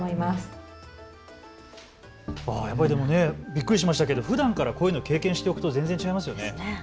びっくりしましたけれどもふだんからこういうのを経験しておくと全然違いますね。